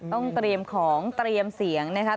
ต้องเตรียมของเตรียมเสียงนะครับ